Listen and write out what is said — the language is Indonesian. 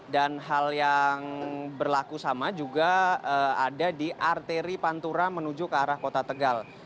dan hal yang berlaku sama juga ada di arteri pantura menuju ke arah kota tegal